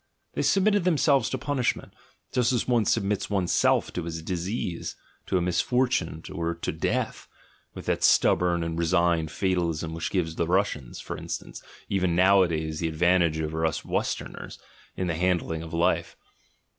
— They submitted themselves to punishment, just as one submits one's self to a disease, to a misfortune, or to death, with that stub born and resigned fatalism which gives the Russians, for instance, even nowadays, the advantage over us West erners, in the handling of life.